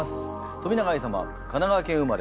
冨永愛様神奈川県生まれ。